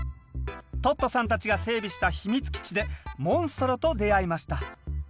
トットさんたちが整備した秘密基地でモンストロと出会いました。